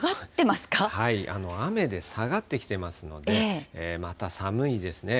雨で下がってきていますので、また寒いですね。